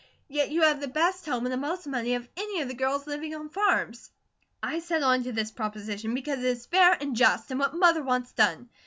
"Yet you have the best home, and the most money, of any of the girls living on farms. I settle under this proposition, because it is fair and just, and what Mother wants done.